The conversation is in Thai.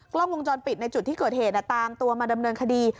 กล้องวงจรปิดในจุดที่เกิดเหตุตามตัวมาดำเนินคดี